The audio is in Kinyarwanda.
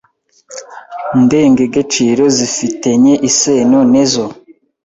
ndengegeciro zifi tenye iseno nezo